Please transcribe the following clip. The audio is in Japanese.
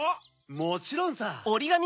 もちろんさ！